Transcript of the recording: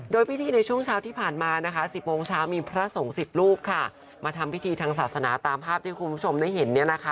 โดยพิธีในช่วงเช้าที่ผ่านมานะคะ๑๐โมงเช้ามีพระสงฆ์๑๐รูปค่ะมาทำพิธีทางศาสนาตามภาพที่คุณผู้ชมได้เห็นเนี่ยนะคะ